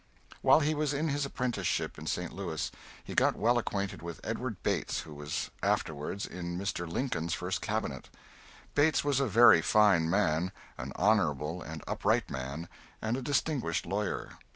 While he was in his apprenticeship in St. Louis, he got well acquainted with Edward Bates, who was afterwards in Mr. Lincoln's first cabinet. Bates was a very fine man, an honorable and upright man, and a distinguished lawyer.